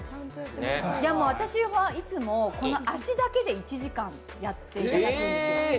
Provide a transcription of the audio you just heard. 私はいつも足だけで１時間やっていただくんです。